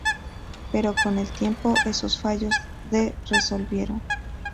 Pero con el tiempo esos fallos de resolvieron.